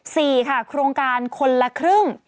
สี่ค่ะโครงการคนละครึ่ง